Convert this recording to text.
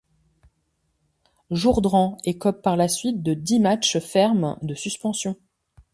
Jourdren écope par la suite de dix matchs ferme de suspension.